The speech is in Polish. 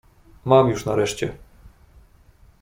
"Mam już nareszcie."